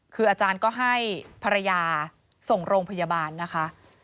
คืออาจารย์ก็ให้ภรรยาส่งโรงพยาบาลนะคะ